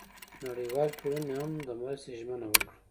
نړیوالې ټولنې هم د مرستې ژمنه وکړه.